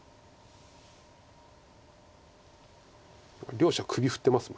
両者首振ってますもんね。